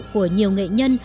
của nhiều nghệ nhân